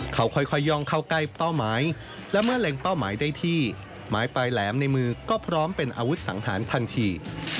เขาค่อยย่องเข้าใกล้เป้าหมายและเมื่อเล็งเป้าหมายได้ที่หมายปลายแหลมในมือก็พร้อมเป็นอาวุธสังหารทันที